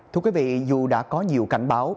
thưa quý vị dù đã có nhiều cảnh báo